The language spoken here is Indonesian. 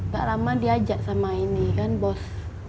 gak lama diajak sama ini kan bos